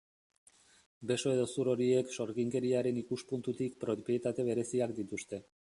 Beso edo hezur horiek sorginkeriaren ikuspuntutik propietate bereziak dituzte.